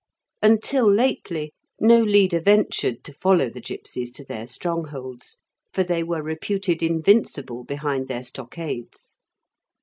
Until lately, no leader ventured to follow the gipsies to their strongholds, for they were reputed invincible behind their stockades.